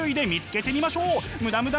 無駄無駄